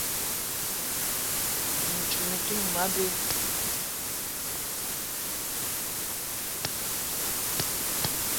Mintchoul mi-te noum abé.